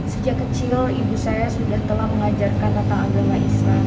sejak kecil ibu saya sudah telah mengajarkan tentang agama islam